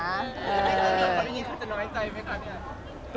แล้วคนนี้เขาจะน้อยใจไหมคะ